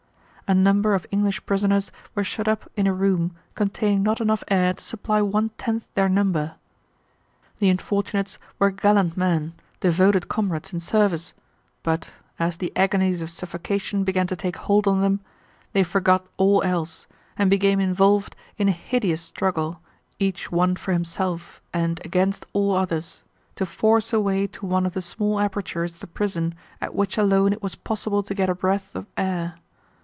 A number of English prisoners were shut up in a room containing not enough air to supply one tenth their number. The unfortunates were gallant men, devoted comrades in service, but, as the agonies of suffocation began to take hold on them, they forgot all else, and became involved in a hideous struggle, each one for himself, and against all others, to force a way to one of the small apertures of the prison at which alone it was possible to get a breath of air.